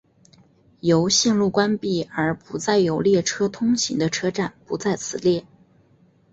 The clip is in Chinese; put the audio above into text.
因线路关闭而不再有列车通行的车站不在此列。